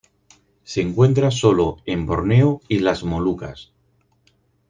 Se encuentra sólo en Borneo y las Molucas.